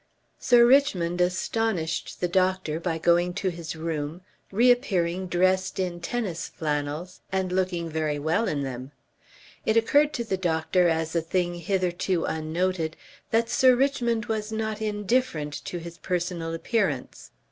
Sir Richmond astonished the doctor by going to his room, reappearing dressed in tennis flannels and looking very well in them. It occurred to the doctor as a thing hitherto unnoted that Sir Richmond was not indifferent to his personal appearance.